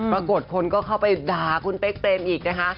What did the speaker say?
ปรากฏคนก็เข้าไปด่าคุณเป๊กเปรมอีกนะคะ